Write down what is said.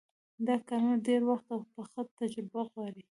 دا کارونه ډېر وخت او پخه تجربه غواړي.